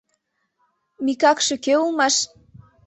— Микакше кӧ улмаш?